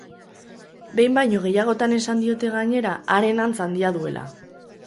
Behin baino gehiagotan esan diote, gainera, haren antz handia duela.